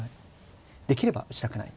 できれば打ちたくない。